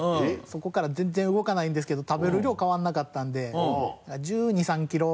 そこから全然動かないんですけど食べる量変わらなかったので１２１３キロ。